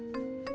maaf ya mas pur